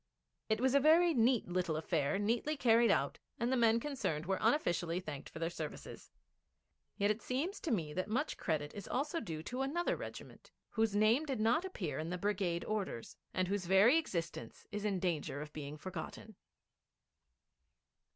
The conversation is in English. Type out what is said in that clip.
It was a very neat little affair, neatly carried out, and the men concerned were unofficially thanked for their services. Yet it seems to me that much credit is also due to another regiment whose name did not appear in the brigade orders, and whose very existence is in danger of being forgotten.